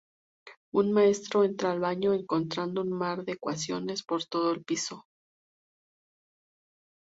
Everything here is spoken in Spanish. Un maestro entra al baño, encontrando un mar de ecuaciones por todo el piso.